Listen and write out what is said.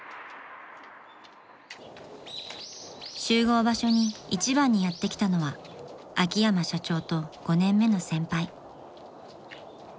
［集合場所に一番にやって来たのは秋山社長と５年目の先輩］